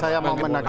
saya mau menanyakan